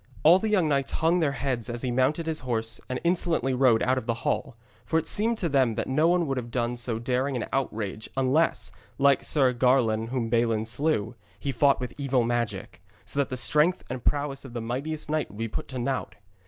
All the young knights hung their heads as he mounted his horse and insolently rode out of the hall; for it seemed to them that no one would have done so daring an outrage unless, like Sir Garlon whom Balin slew, he fought with evil magic, so that the strength and prowess of the mightiest knight would be put to naught.